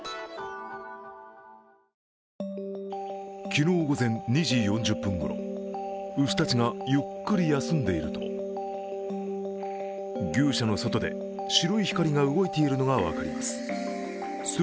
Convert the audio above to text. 昨日午前２時４０分ごろ牛たちがゆっくり休んでいると牛舎の外で白い光が動いているのが分かります。